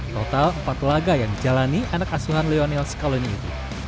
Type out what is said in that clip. total empat laga yang dijalani anak asuhan lionel scaloni itu